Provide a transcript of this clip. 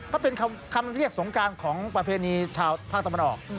ก็เป็นคำเรียกสงการของประเพณีชาวภาคตะวันออก